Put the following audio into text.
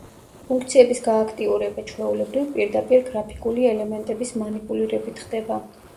ფუნქციების გააქტიურება, ჩვეულებრივ, პირდაპირ გრაფიკული ელემენტების მანიპულირებით ხდება.